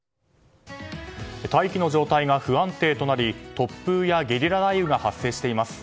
大気の状態が不安定となり突風やゲリラ雷雨が発生しています。